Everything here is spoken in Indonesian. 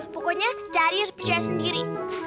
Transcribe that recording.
pokoknya dari harus percaya sendiri